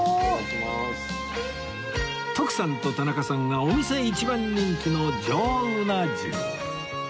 徳さんと田中さんがお店一番人気の上うな重